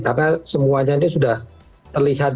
karena semuanya ini sudah terlihat